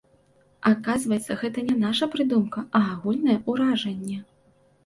Аказваецца, гэта не наша прыдумка, а агульнае ўражанне.